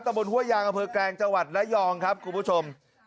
ตะบนหัวยางกระเภอแกรงจังหวัดละยองครับคุณผู้ชม